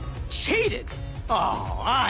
ああ。